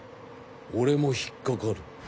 俺も引っかかる。